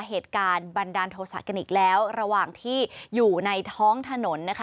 เหตุการณ์บันดาลโทษะกันอีกแล้วระหว่างที่อยู่ในท้องถนนนะคะ